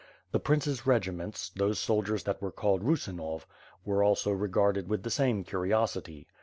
The prince's regiments, those soldiers that were called Rusinow^ were also regarded with the same curiosity.